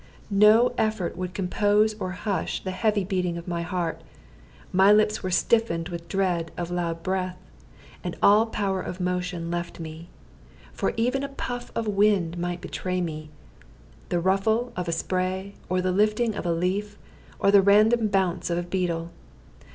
No effort would compose or hush the heavy beating of my heart; my lips were stiffened with dread of loud breath, and all power of motion left me. For even a puff of wind might betray me, the ruffle of a spray, or the lifting of a leaf, or the random bounce of a beetle.